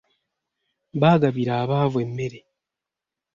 Baagabira abavu emmere.